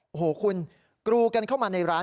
โอ้โหคุณกรูกันเข้ามาในร้าน